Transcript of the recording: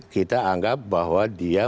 kita anggap bahwa dia